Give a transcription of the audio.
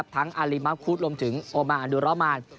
ทั้งอาริมัพคุทรรมถึงโอมาอันดุรามานด์